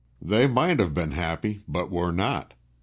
They might have been happy, but were not.